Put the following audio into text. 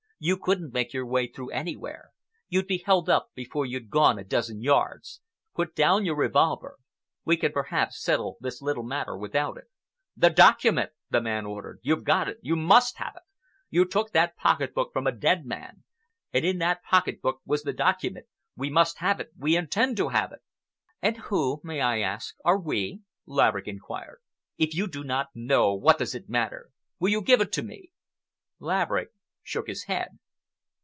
You couldn't make your way through anywhere. You'd be held up before you'd gone a dozen yards. Put down your revolver. We can perhaps settle this little matter without it." "The document!" the man ordered. "You've got it! You must have it! You took that pocket book from a dead man, and in that pocket book was the document. We must have it. We intend to have it." "And who, may I ask, are we?" Laverick inquired. "If you do not know, what does it matter? Will you give it to me?" Laverick shook his head.